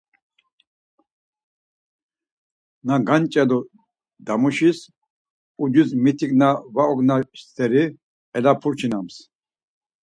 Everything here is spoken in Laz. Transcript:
Na ganç̌elu damuşis ucis mitik na va ogna steri elupurçinams.